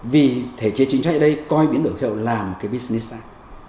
vì thể chế chính sách ở đây coi biến đổi khí hậu làm cái business này